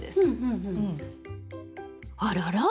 あらら？